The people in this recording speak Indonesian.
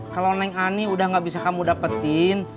kalau neng ani udah gak bisa kamu dapetin